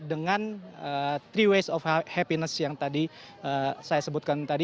dengan three waste of happiness yang tadi saya sebutkan tadi